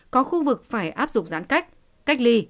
có khu vực phải áp dụng giãn cách cách ly